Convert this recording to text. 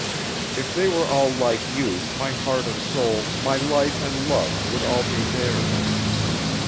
If they were all like you, my heart and soul, my life and love would all be theirs.